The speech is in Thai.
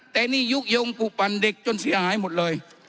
แต่นี่ยุโยงปลูกปั่นเด็กจนเสียหายหมดเลย